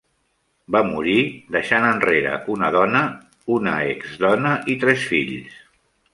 Va morir deixant enrere una dona, una ex-dona i tres fills.